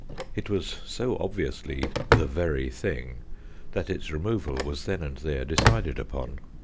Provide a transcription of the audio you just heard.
It was so obviously " the very thing " that its removal was'then and there decided upon.